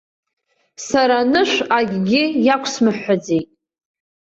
Сара анышә акгьы иақәсмыҳәҳәаӡеит.